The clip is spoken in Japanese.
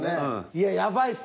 いややばいっす。